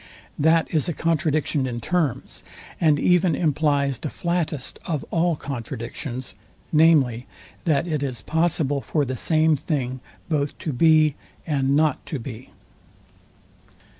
That is a contradiction in terms; and even implies the flattest of all contradictions, viz. that it is possible for the same thing both to be and not to be.